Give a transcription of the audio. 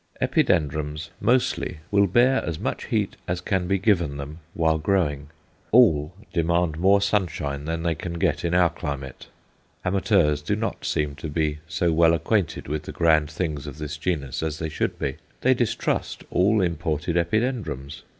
Epidendrums mostly will bear as much heat as can be given them while growing; all demand more sunshine than they can get in our climate. Amateurs do not seem to be so well acquainted with the grand things of this genus as they should be. They distrust all imported Epidendrums.